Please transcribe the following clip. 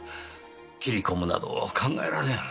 斬り込むなど考えられん。